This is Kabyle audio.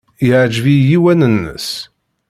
Yeɛjeb-iyi yinaw-nnes.